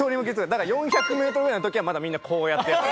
だから４００メートルぐらいの時はまだみんなこうやってやってた。